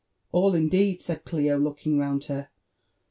*'' All indeed I" said Clio, looking round her.